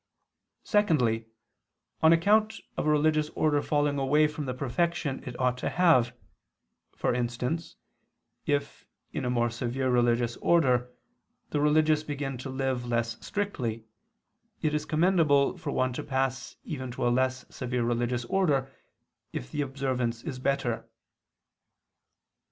Secondly, on account of a religious order falling away from the perfection it ought to have: for instance, if in a more severe religious order, the religious begin to live less strictly, it is commendable for one to pass even to a less severe religious order if the observance is better.